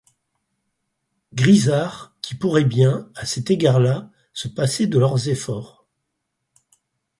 Grisar, qui pourraient bien, à cet égard-là, se passer de leurs efforts.